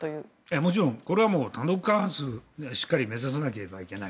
もちろんこれは単独過半数をしっかり目指さなければいけない。